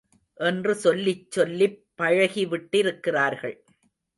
என்று சொல்லிச் சொல்லிப் பழக்கி விட்டிருக்கிறார்கள்.